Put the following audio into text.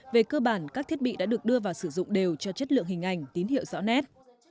về cơ bản các thiết bị đã được đưa vào sử dụng đều cho chất lượng hình ảnh tín hiệu rõ nét